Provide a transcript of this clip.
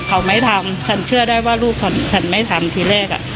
เขาไม่ทำฉันเชื่อได้ว่าลูกฉันไม่ทำทีแรกอ่ะ